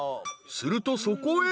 ［するとそこへ］